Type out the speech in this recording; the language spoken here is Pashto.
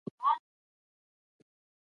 د درد درملنې لپاره سپورت غوره انتخاب دی.